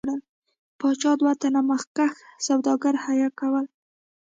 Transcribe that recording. پاچا دوه تنه مخکښ سوداګر حیه کول.